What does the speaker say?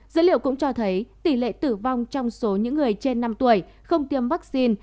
dữ liệu cũng cho thấy tỷ lệ tử vong trong số những người trên năm tuổi không tiêm vaccine